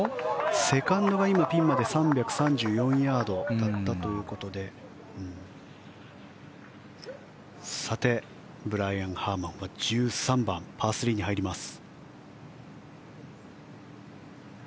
セカンドが今、ピンまで３３４ヤードだったということでブライアン・ハーマンは１３番、パー３に入ります。